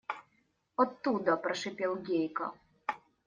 – Оттуда, – прошипел Гейка.